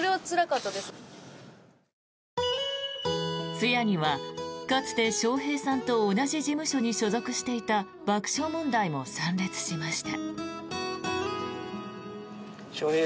通夜には、かつて笑瓶さんと同じ事務所に所属していた爆笑問題も参列しました。